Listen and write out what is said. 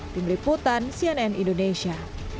pembeli putan cnn indonesia